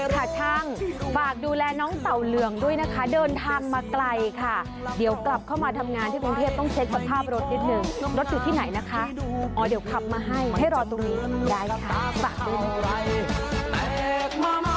ค่ะช่างฝากดูแลน้องเต่าเหลืองด้วยนะคะเดินทางมาไกลค่ะเดี๋ยวกลับเข้ามาทำงานที่กรุงเทพต้องเช็คสภาพรถนิดนึงรถอยู่ที่ไหนนะคะอ๋อเดี๋ยวขับมาให้ให้รอตรงนี้ได้แล้วค่ะ